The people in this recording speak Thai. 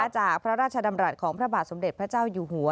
จากพระราชดำรัฐของพระบาทสมเด็จพระเจ้าอยู่หัว